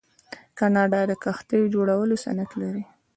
کاناډا د کښتیو جوړولو صنعت لري.